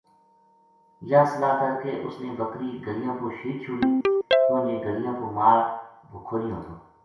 یاہ صلاح کر کے اس نے بکری گلیاں پو شیک چھُڑی کیوں جے گلیاں پو مال بھُکھو نیہہ ہوتو